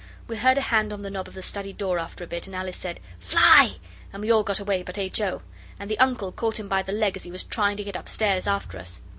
We heard a hand on the knob of the study door after a bit, and Alice said 'Fly!' and we all got away but H. O., and the Uncle caught him by the leg as he was trying to get upstairs after us.